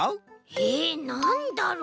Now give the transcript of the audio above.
えなんだろう。